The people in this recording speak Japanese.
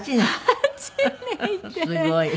すごい。